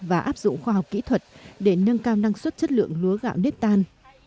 và áp dụng khoa học kỹ thuật để nâng cao năng suất chất lượng lúa gạo nếp tan